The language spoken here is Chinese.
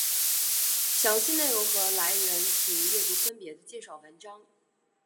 详细内容和来源请阅读分别的介绍文章。